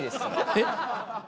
えっ？